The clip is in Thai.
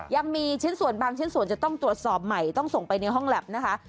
ยังมีชิ้นส่วนบางชิ้นส่วนจะต้องตรวจสอบใหม่ต้องส่งไปในห้องแล็บนะคะ